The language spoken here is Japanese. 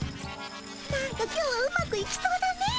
なんか今日はうまくいきそうだね。